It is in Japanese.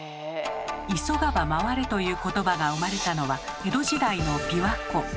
「急がば回れ」という言葉が生まれたのは江戸時代の琵琶湖。